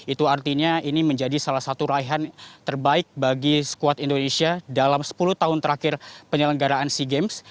itu artinya ini menjadi salah satu raihan terbaik bagi squad indonesia dalam sepuluh tahun terakhir penyelenggaraan sea games